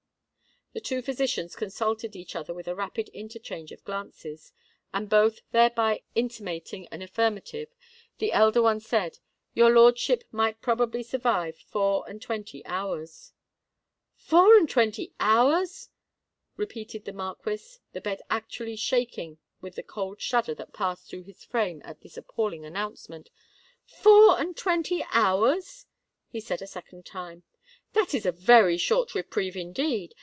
The two physicians consulted each other with a rapid interchange of glances; and both thereby intimating an affirmative, the elder one said, "Your lordship might probably survive four and twenty hours." "Four and twenty hours!" repeated the Marquis, the bed actually shaking with the cold shudder that passed through his frame at this appalling announcement: "four and twenty hours!" he said a second time: "that is a very short reprieve, indeed!